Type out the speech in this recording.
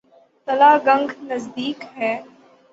تلہ گنگ نزدیک ہے۔